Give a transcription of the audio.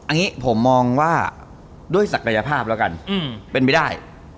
อันนี้ผมมองว่าด้วยศักยภาพแล้วกันเป็นไปได้